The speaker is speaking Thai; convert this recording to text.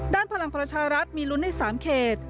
ด้านพลังประชารัฐมีรุนในสามเขต